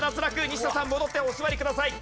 ニシダさん戻ってお座りください。